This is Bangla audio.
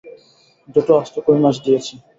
দুটো আস্ত কৈ মাছ দিয়েছি।